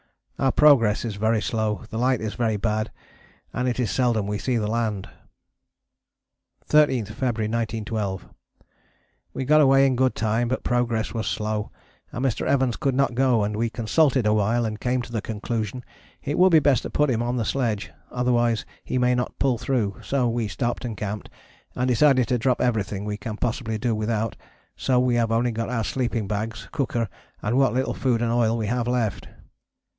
Our progress is very slow, the light is very bad, and it is seldom we see the land. 13th February 1912. We got away in good time, but progress was slow, and Mr. Evans could not go, and we consulted awhile and came to the conclusion it would be best to put him on the sledge, otherwise he may not pull through, so we stopped and camped, and decided to drop everything we can possibly do without, so we have only got our sleeping bags, cooker, and what little food and oil we have left.